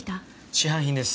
市販品です。